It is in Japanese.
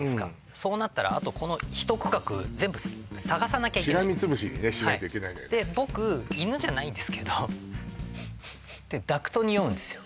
そうなったらあとこのひと区画全部探さなきゃいけないしらみつぶしにねしないといけないのよねで僕犬じゃないですけどってダクト匂うんですよ